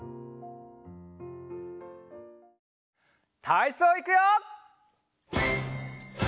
たいそういくよ！